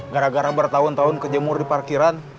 gara gara bertahun tahun kejemur di parkiran